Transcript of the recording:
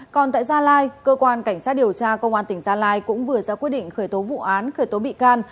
còn tại gia lai cơ quan cảnh sát điều tra công an tỉnh gia lai cũng vừa ra quyết định khởi tố vụ án khởi tố bị can